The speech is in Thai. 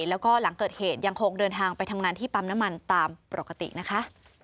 แล้วก็หลังเกิดเหตุยังคงเดินทางไปทำงานที่ปั๊มน้ำมันตามปกตินะคะ